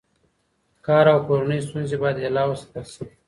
کار او کورنۍ ستونزې باید جلا وساتل شي.